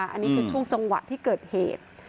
อันนี้คือช่วงจังหวะที่เกิดเหตุ